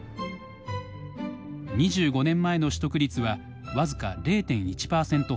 ２５年前の取得率は僅か０．１％ほど。